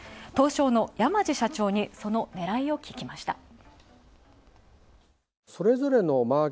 東証の山道社長にその狙いをききました。